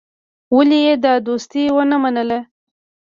ولي يې دا دوستي ونه منله.